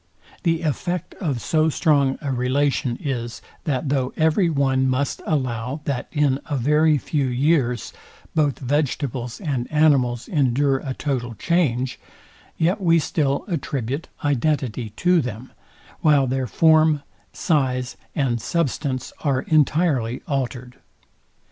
The effect of so strong a relation is, that though every one must allow, that in a very few years both vegetables and animals endure a total change, yet we still attribute identity to them, while their form, size, and substance are entirely altered.